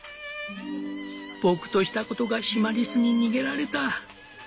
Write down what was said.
「僕としたことがシマリスに逃げられた」。